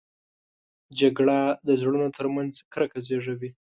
جګړه د زړونو تر منځ کرکه زېږوي